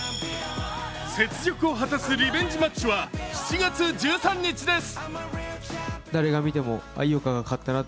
雪辱を果たすリベンジマッチは７月１３日です。